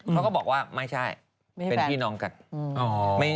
เขาก็บอกว่าไม่ใช่เป็นพี่น้องกัน